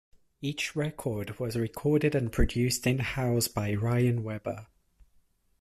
Each record was recorded and produced in-house by Ryan Weber.